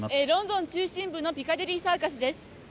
ロンドン中心部のピカデリーサーカスです。